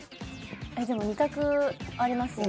えっでも２択ありますよね？